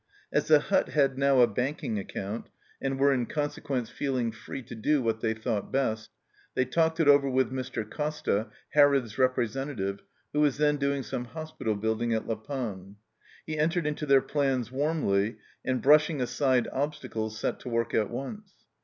As the Two had now a bank ing account, and were in consequence feeling free to do what they thought best, they talked it over with Mr. Costa, Harrod's representative, who was then doing some hospital building at La Panne. He entered into their plans warmly, and brushing aside obstacles set to work at once.